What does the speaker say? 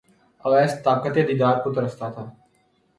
اویس طاقت دیدار کو ترستا تھا